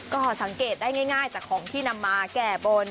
ก็สังเกตได้ง่ายจากของที่นำมาแก่บน